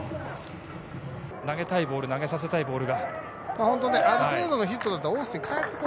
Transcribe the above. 投げたいボール、投げさせたいボール。